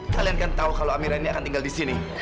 kalian kan tahu kalau amira ini akan tinggal di sini